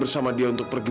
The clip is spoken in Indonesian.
sampai jumpa lagi